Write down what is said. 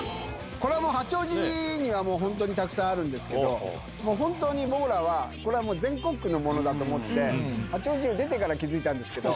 これはもう、八王子にはもう本当にたくさんあるんですけど、本当に僕らは、これはもう、全国区のものだと思って、八王子を出てから気付いたんですけど。